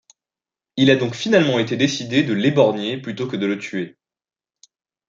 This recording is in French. Il a donc finalement été décidé de l'éborgner plutôt que de le tuer.